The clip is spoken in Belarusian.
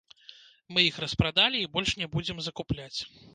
Мы іх распрадалі і больш не будзем закупляць.